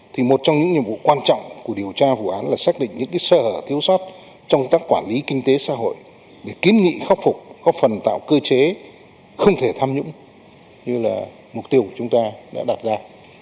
thiếu sót trong các quản lý kinh tế xã hội để kiến nghị khắc phục khắc phần tạo cơ chế không thể tham nhũng như là mục tiêu của chúng ta đã đặt ra